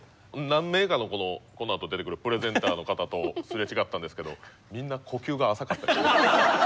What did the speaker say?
何名かのこのあと出てくるプレゼンターの方とすれ違ったんですけどみんな呼吸が浅かったです。